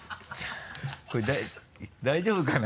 これ大丈夫かな？